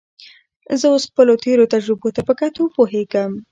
زه اوس خپلو تېرو تجربو ته په کتو پوهېږم.